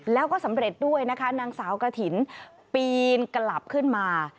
แล้วก็สำเร็จด้วยนะคะนางสาวกระถิ่นปีนกลับขึ้นมา